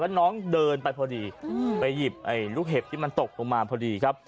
แล้วน้องเดินไปพอดีไปหยิบลูกเห็บที่มันตกลงมาพอดีครับ